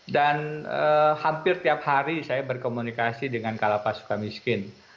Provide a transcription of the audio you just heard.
dan hampir tiap hari saya berkomunikasi dengan kla pas suka miskin